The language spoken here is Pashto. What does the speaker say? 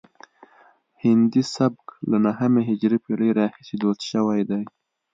هندي سبک له نهمې هجري پیړۍ راهیسې دود شوی دی